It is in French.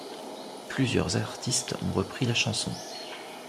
Plusieurs artistes ont repris la chanson.